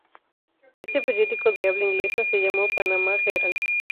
Este periódico de habla inglesa se llamó Panama Herald.